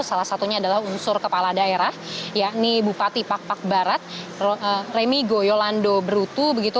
salah satunya adalah unsur kepala daerah yakni bupati pak pak barat remigo yolando brutu begitu